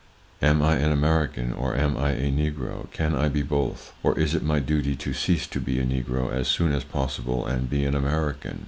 Am I an American or am I a Negro? Can I be both? Or is it my duty to cease to be a Negro as soon as possible and be an American?